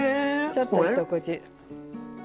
ちょっと一口。